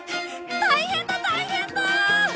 大変だ大変だ！